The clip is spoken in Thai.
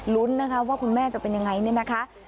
ลุ้นว่าคุณแม่จะเป็นอย่างไรนี่นะคะ